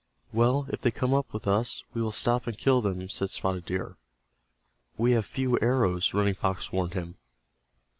"Well, if they come up with us, we will stop and kill them," said Spotted Deer. "We have few arrows," Running Fox warned him.